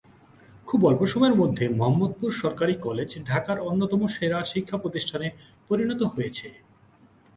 খুব অল্প সময়ের মধ্যে মোহাম্মদপুর সরকারি কলেজ ঢাকার অন্যতম সেরা শিক্ষা প্রতিষ্ঠানে পরিণত হয়েছে।